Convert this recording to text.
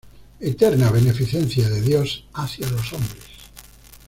Eterna beneficencia de Dios hacia los hombres.